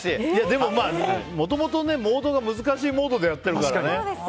でも、もともとモードが難しいモードでやってるからね。